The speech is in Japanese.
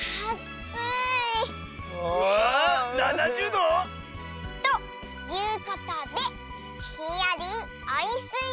７０ど⁉ということでひんやりおい